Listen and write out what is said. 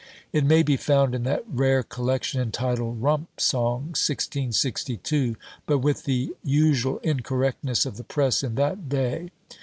It may be found in that rare collection, entitled "Rump Songs," 1662, but with the usual incorrectness of the press in that day.